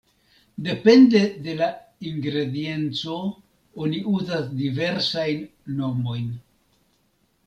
Depende de la ingredienco oni uzas diversajn nomojn.